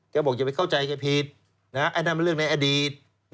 ก็บอกอย่าไปเข้าใจไงพีทอันนั้นเป็นเรื่องในอดีต